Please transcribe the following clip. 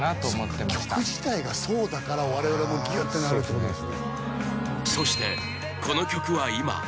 そっか曲自体がそうだから我々もギューってなるってことですね